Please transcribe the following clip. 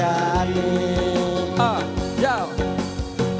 kau yang lebih mencintai